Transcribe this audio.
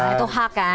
itu hak kan